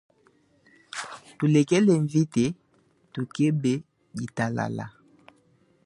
Tulekela mvita tukeba ditalala.